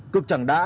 cực chẳng đã